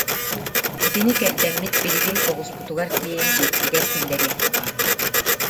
Итини кэрдэммит билигин оҕуспутугар тиэйэн дьиэбитигэр киллэриэххэ баар